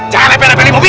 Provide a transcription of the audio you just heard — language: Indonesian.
jangan leper leper di mobil